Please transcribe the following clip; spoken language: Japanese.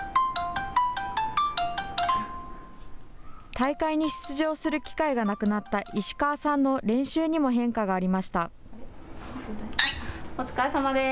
大会に出場する機会がなくなった石川さんの練習にも変化があお疲れさまです。